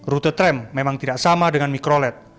rute tram memang tidak sama dengan mikrolet